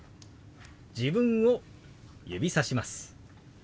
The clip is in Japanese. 自分を指さします。